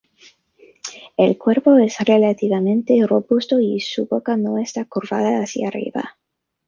El cuerpo es relativamente robusto y su boca no está curvada hacia arriba.